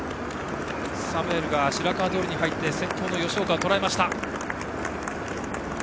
サムエルが白川通に入って先頭の吉岡をとらえました。